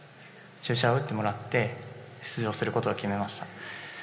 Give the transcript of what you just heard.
注射を打ってもらって出場することを決めました。